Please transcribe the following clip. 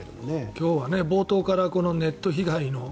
今日は冒頭からネットの悲しい被害